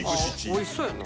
おいしそうやな。